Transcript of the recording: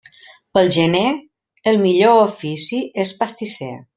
Pel gener, el millor ofici és pastisser.